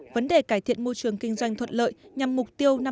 vấn đề cải thiện môi trường kinh doanh thuận lợi nhằm mục tiêu năm hai nghìn hai mươi